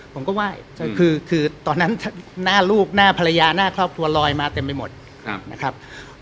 ผมก็ไหว้คือตอนนั้นหน้าลูกหน้าภรรยาหน้าครอบครัวลอยมาเต็มไปหมดนะครับ